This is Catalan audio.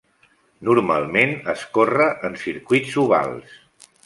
Normalment es corre en circuits ovals.